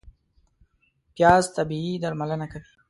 پیاز طبیعي درملنه کوي